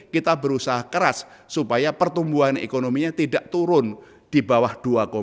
kita berusaha keras supaya pertumbuhan ekonominya tidak turun di bawah dua